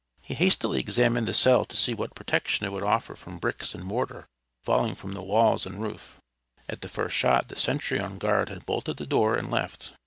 He hastily examined the cell to see what protection it would offer from bricks and mortar falling from the walls and roof. At the first shot the sentry on guard had bolted the door and left.